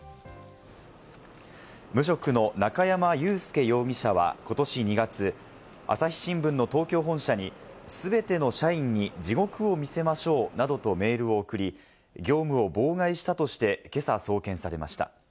無職の中山雄介容疑者はことし２月、朝日新聞の東京本社に、全ての社員に地獄を見せましょうなどとメールを送り、業務を妨害したとして、けさ送検されました。